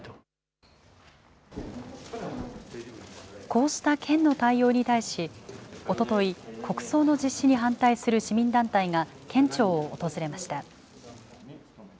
こうした県の対応に対し、おととい、国葬の実施に反対する市民団体が県庁を訪れました。